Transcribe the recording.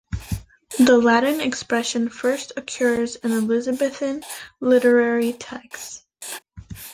The Latin expression first occurs in Elizabethan literary texts.